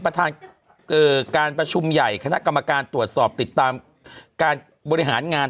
ประธานการประชุมใหญ่คณะกรรมการตรวจสอบติดตามการบริหารงาน